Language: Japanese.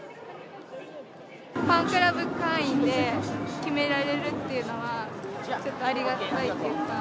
ファンクラブ会員で決められるっていうのは、ちょっとありがたいっていうか。